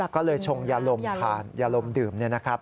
ก็เลยชงยาลมทานยาลมดื่มเนี่ยนะครับ